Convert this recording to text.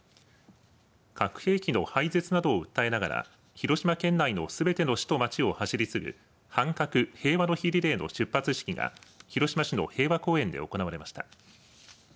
核兵器の廃絶などを訴えながら広島県内のすべての市と町を走りつぐ反核平和の火リレーの出発式が広島市の平和公園で行われました。